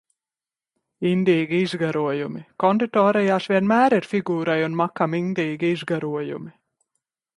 Indīgi izgarojumi. Konditorejās vienmēr ir figūrai un makam indīgi izgarojumi!